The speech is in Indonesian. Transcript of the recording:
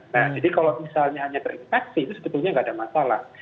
nah jadi kalau misalnya hanya terinfeksi itu sebetulnya nggak ada masalah